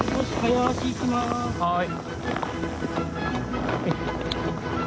はい。